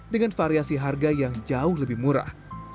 dengan variasi harga yang jauh lebih murah